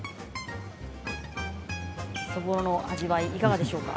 そぼろの味わいいかがでしょうか。